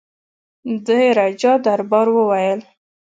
د راجا دربار وویل.